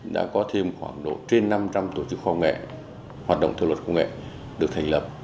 đã có thêm khoảng độ trên năm trăm linh tổ chức khoa nghệ hoạt động theo luật khoa nghệ được thành lập